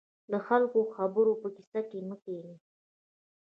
د خلکو د خبرو په کيسه کې مه کېږئ.